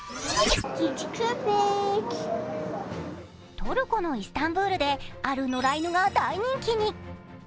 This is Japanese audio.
トルコのイスタンブールである野良犬が大人気に。